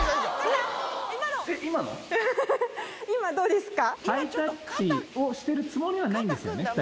今どうですか？